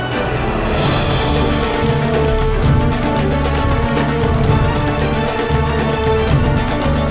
kita buang saja